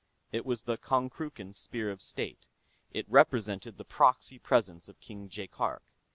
It was the Konkrookan Spear of State; it represented the proxy presence of King Jaikark.